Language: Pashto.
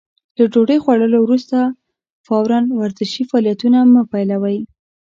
له ډوډۍ خوړلو وروسته فورً ورزشي فعالیتونه مه پيلوئ.